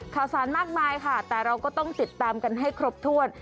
ข่าวสารมากมายค่ะแต่เราก็ต้องติดตามกันให้ครบถ้วน